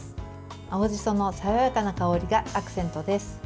青じその爽やかな香りがアクセントです。